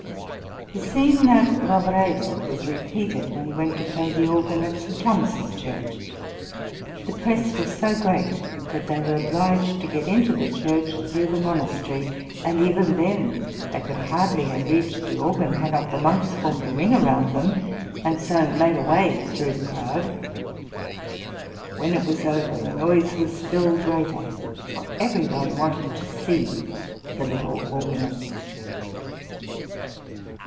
The scene at Roveredo was repeated when he went to play the organ at St. Thomas's Church. The press was so great that they were obliged to get into the church through the monastery, and even then they could hardly have reached the organ had not the monks formed a ring round them, and so made a way through the crowd. "When it was over, the noise was still greater, for every one wanted to see the little organist."